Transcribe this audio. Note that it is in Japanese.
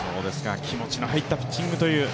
気持ちの入ったピッチングという。